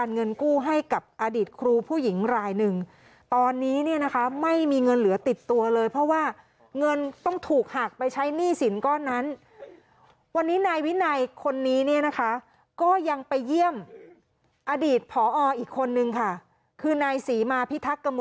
แล้วตอนนี้ต้องการแบกรับภาระหนี้ที่ครูผู้หญิงคนนึงเนี่ยตามรายงานบอกเป็นแม่ของดาราชายคนนึงเนี่ยสองท่านนี้ต้องอยู่อย่างยากลำบากค่ะ